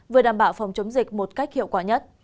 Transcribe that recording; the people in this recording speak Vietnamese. vừa đảm bảo phòng chống dịch một cách hiệu quả nhất